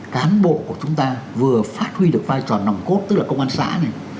cán bộ của chúng ta vừa phát huy được vai trò nòng cốt tức là công an xã này